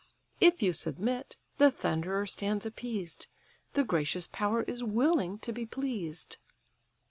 If you submit, the thunderer stands appeased; The gracious power is willing to be pleased."